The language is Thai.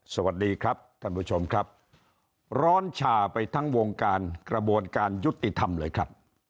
สวัสดีครับท่านผู้ชมครับร้อนชาไปทั้งวงการกระบวนการยุติธรรมเลยครับ